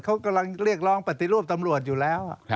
เขากำลังเรียกร้องปฏิรูปตำรวจอยู่แล้ว